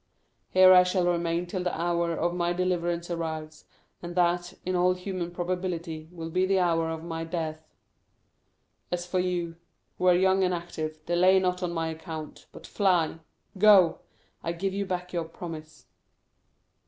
Here I shall remain till the hour of my deliverance arrives, and that, in all human probability, will be the hour of my death. As for you, who are young and active, delay not on my account, but fly—go—I give you back your promise."